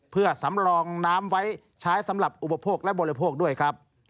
เพื่อสำรองน้ำไว้ใช้สำหรับอุปโภคและบริโภคด้วยครับ